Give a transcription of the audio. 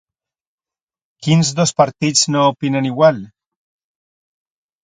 Quins dos partits no opinen igual?